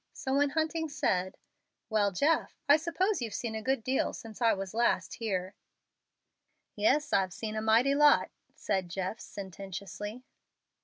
So when Hunting said, "Well, Jeff, I suppose you've seen a good deal since I was last here." "Yes, I've seen a mighty lot," said Jeff, sententiously.